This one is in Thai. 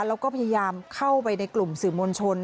แล้วก็พยายามเข้าไปในกลุ่มสื่อมวลชน